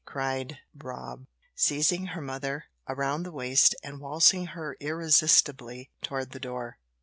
cried Rob, seizing her mother around the waist and waltzing her irresistibly toward the door.